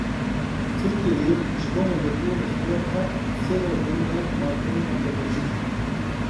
Tirkiyeyê ji bo wergirtina destûra kar sê roj dem da malperên navdewletî.